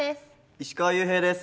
石川裕平です。